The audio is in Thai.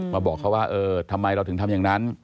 บอกเขาว่าเออทำไมเราถึงทำอย่างนั้น